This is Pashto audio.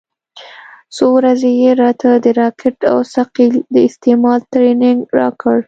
څو ورځې يې راته د راکټ او ثقيل د استعمال ټرېننگ راکړ.